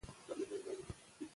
که پوهه وي نو پاس وي.